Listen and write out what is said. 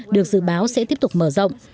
được dự báo sẽ tiếp tục mở rộng